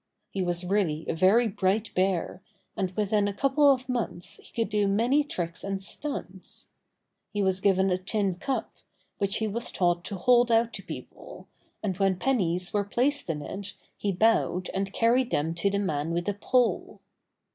He was really a very bright bear, and within a couple of months he could do many tricks and stunts. He was given a tin cup, which he was taught to hold out to people, and when pennies were placed in it he bowed and carried them to the man with the pole.